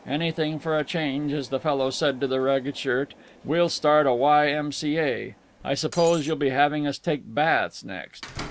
Anything for a change, as the fellow said to the ragged shirt. We'll start a Y. M. C. A. I suppose you'll be having us take baths next."